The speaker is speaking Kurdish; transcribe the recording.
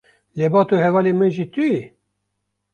lebat û hevalê min jî tu yî?